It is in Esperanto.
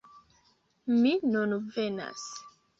"Mi nun venas!"